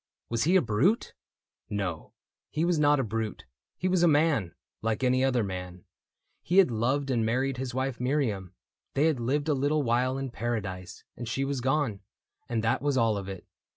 Was he a brute ?• No, he was not a brute : He was a man — like any other man : He had loved and married his wife Miriam, They had lived a little while in paradise And she was gone ; and that was all of it.